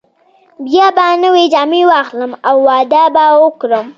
بیا به نوې جامې واخلم او واده به وکړم.